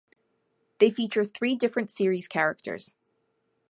They feature three different series characters.